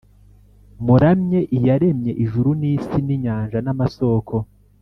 muramye Iyaremye ijuru n’isi n’inyanja n’amasōko.”